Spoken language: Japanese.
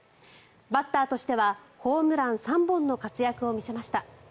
バッターとしてはホームラン３本の活躍を見せました。